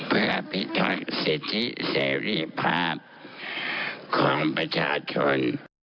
เพื่ออภิทัยสิทธิเสรีภาพของประชาชน